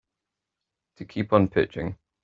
To keep on pitching.